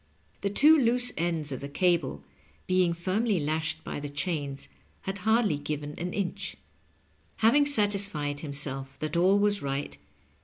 The two loose ends of the cable, being firmly lashed by the chains, had hardly given an inch. Having satisfied himself that all was right.